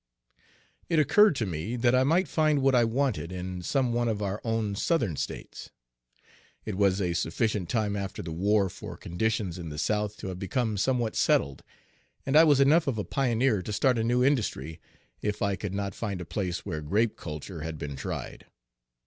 It occurred to me that I might find what I wanted in some one of our own Southern States. It was a sufficient time after the war for conditions in the South to have become somewhat settled; and I was enough of a pioneer to start a new industry, if I could not find a place where grape culture had been tried.